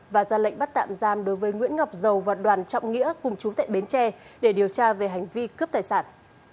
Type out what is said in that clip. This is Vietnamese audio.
và ra lệnh bắt tạm giam đối với nguyễn ngọc dầu và đoàn trọng nghĩa cùng chú tệ bến tre để điều tra về hành vi cướp tài sản